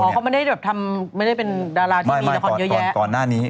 เขาไม่ได้ทำไม่ได้เป็นดาราชีวิตหนักทนอย่างเยอะแยะ